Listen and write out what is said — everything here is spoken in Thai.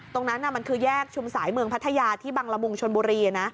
ตรงนั้นมันคือแยกชุมสายเมืองพัทยาที่บังละมุงชนบุรีนะ